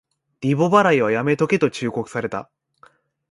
リボ払いはやめとけと忠告された